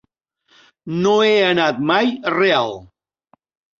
No he anat mai a Real.